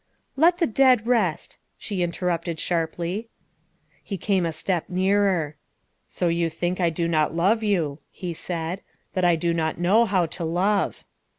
" Let the dead rest," she interrupted sharply. He came a step nearer. " So you think I do not love you," he said, " that I do not know how to love."